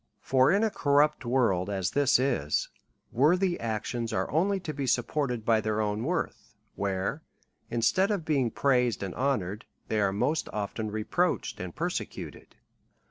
For in a corrupt world, as this is, worthy actions are only to be supported by their own worth, where, instead of being praised and honoured, they are most often reproached and persecuted.